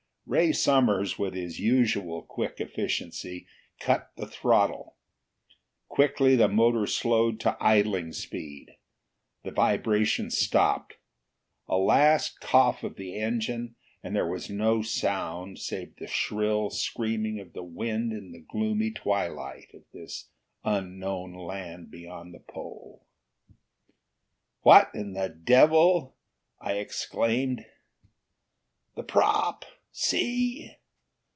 Ray Summers, with his usual quick efficiency, cut the throttle. Quickly the motor slowed to idling speed; the vibration stopped. A last cough of the engine, and there was no sound save the shrill screaming of the wind in the gloomy twilight of this unknown land beyond the pole. "What in the devil!" I exclaimed. "The prop! See!"